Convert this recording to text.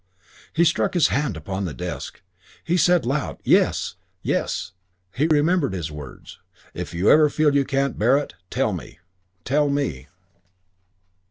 He struck his hand upon the desk. He said aloud, "Yes! Yes!" He remembered his words, "If ever you feel you can't bear it, tell me. Tell me."